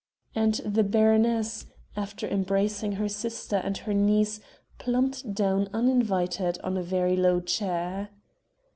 And the baroness, after embracing her sister and her niece, plumped down uninvited on a very low chair.